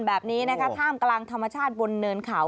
แบบนี้นะคะท่ามกลางธรรมชาติบนเนินเขา